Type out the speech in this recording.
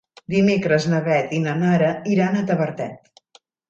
Dimecres na Beth i na Nara iran a Tavertet.